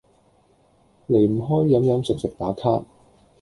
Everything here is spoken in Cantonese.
離唔開飲飲食食打卡